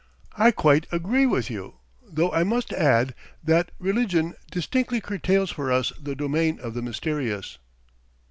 "I quite agree with you, though I must add that religion distinctly curtails for us the domain of the mysterious."